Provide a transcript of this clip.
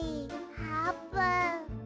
あーぷん。